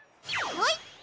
はい！